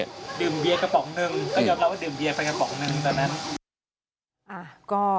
ดื่มเบียร์กระป๋องหนึ่งก็ยอมรับว่าดื่มเบียร์ไปกระป๋องหนึ่งตอนนั้น